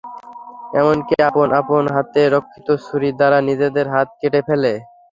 এমনকি আপন আপন হাতে রক্ষিত ছুরি দ্বারা নিজেদের হাত কেটে ফেলে।